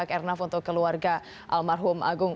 oleh pihak airnav untuk keluarga almarhum agung